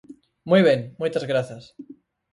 Moi ben, moitas grazas.